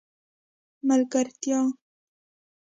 ملګرتیا